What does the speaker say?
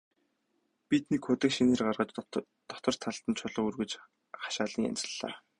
Бид нэг худаг шинээр гаргаж, дотор талд нь чулуу өрж хашаалан янзаллаа.